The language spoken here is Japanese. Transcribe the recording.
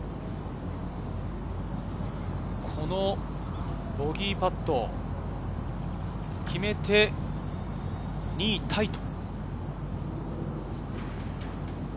このボギーパットを決めて、２位タイと。